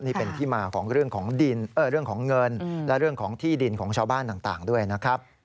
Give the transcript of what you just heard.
นี่เป็นที่มาของเรื่องของดินเรื่องของเงินและเรื่องของที่ดินของชาวบ้านต่างด้วยนะครับ